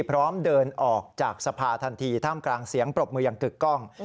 พร้อมเดินออกจากสภาทันทีท่ามกลางเสียงปรบมืออย่างกึกกล้อง